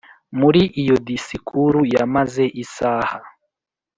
Muri iyo disikuru yamaze isaha.